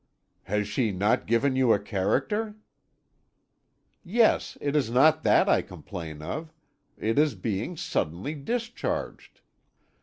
"Has she not given you a character?" "Yes; it is not that I complain of; it is being suddenly discharged."